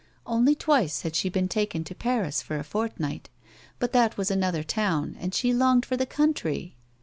Only twice had she been taken to Paris for a fortnight, but that was another town, and she longed for the country.